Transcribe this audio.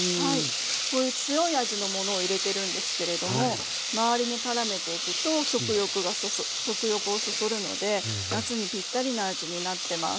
これ強い味のものを入れてるんですけれども周りにからめていくと食欲をそそるので夏にピッタリな味になってます。